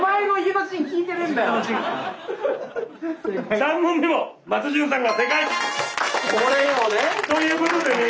３問目も松潤さんが正解！ということでね